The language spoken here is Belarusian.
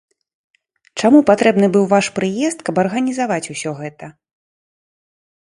Чаму патрэбны быў ваш прыезд, каб арганізаваць усё гэта?